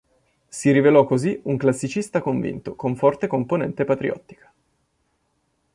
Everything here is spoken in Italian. Si rivelò così un classicista convinto, con forte componente patriottica.